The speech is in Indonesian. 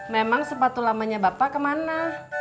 memang sepatu lamanya bapak kemana